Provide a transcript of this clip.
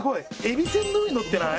びせんの上にのってない？